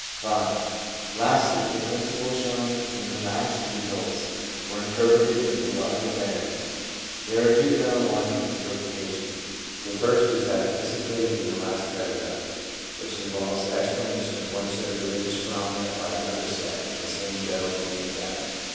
5. Lastly, the principles shown in the massed re sults were interpreted in their larger bearings. There are two general lines of interpretation. The first is that anticipated in the last paragraph, which involves the explanation of one set of religious phenomena by another set in the same general group of data.